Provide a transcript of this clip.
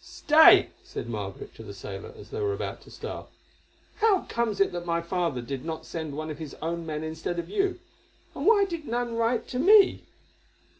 "Stay!" said Margaret to the sailor as they were about to start. "How comes it that my father did not send one of his own men instead of you, and why did none write to me?"